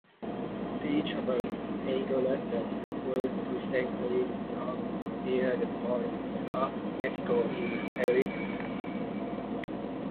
"Ptichopus angulatus" was recently discovered near the border of Mexico in Arizona.